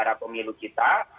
penggara pemilu kita